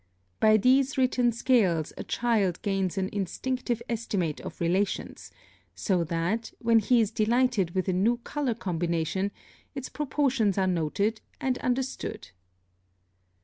By these written scales a child gains an instinctive estimate of relations, so that, when he is delighted with a new color combination, its proportions are noted and understood.